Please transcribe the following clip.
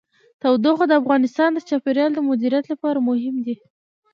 تودوخه د افغانستان د چاپیریال د مدیریت لپاره مهم دي.